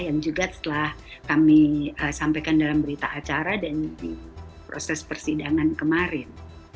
yang juga setelah kami sampaikan dalam berita acara dan di proses persidangan kemarin